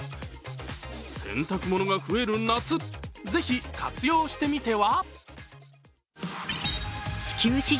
洗濯物が増える夏、ぜひ活用してみては。